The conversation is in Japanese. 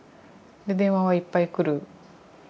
で電話はいっぱい来る。